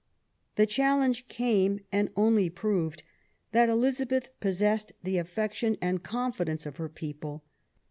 The challenge came, and only proved that Elizabeth possessed the affection and confidence of her people.